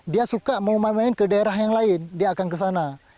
dia suka mau main main ke daerah yang lain dia akan kesana